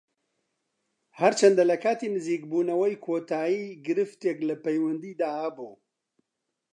هەرچەندە لە کاتی نزیکبوونەوەی کۆتایی گرفتێک لە پەیوەندیدا هەبوو